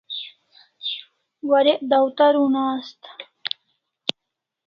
Warek dawtar una asta